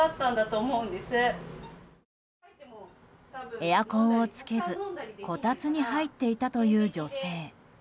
エアコンをつけずこたつに入っていたという女性。